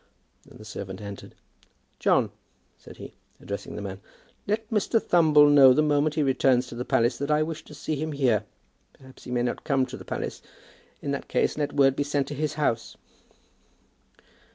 Then the servant entered. "John," said he, addressing the man, "let Mr. Thumble know the moment he returns to the palace that I wish to see him here. Perhaps he may not come to the palace. In that case let word be sent to his house."